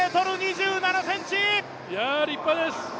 立派です。